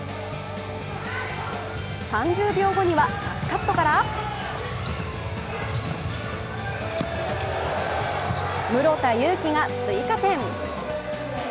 ３０秒後には、パスカットから室田祐希が追加点。